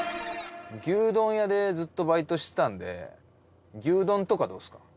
牛丼屋でずっとバイトしてたんで牛丼とかどうですか？